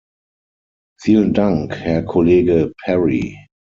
Vielen Dank, Herr Kollege Perry.